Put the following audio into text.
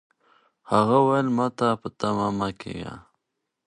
هغه وویل چې ماته په تمه مه کېږئ.